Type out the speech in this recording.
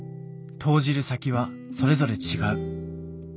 投じる先はそれぞれ違う。